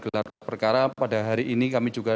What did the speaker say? gelar perkara pada hari ini kami juga